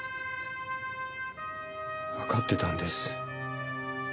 わかってたんです。